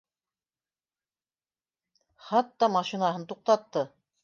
Хатта машинаһын туҡтатты